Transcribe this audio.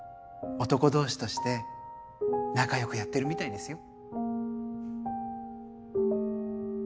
男同士として仲良くやってるみたいですよ。